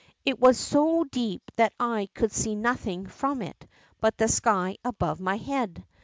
It Avas so deep that I could see nothing from it but the sky above my head.